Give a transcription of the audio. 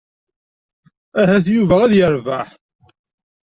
Ahat Yuba ad yerbeḥ.